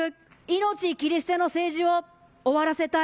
命切り捨ての政治を終わらせたい。